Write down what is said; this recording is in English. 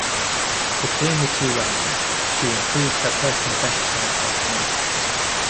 Between the two runs, she improved her personal best time by a minute.